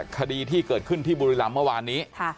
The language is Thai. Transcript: คดีที่เกิดขึ้นที่บุรีรำเมื่อวานนี้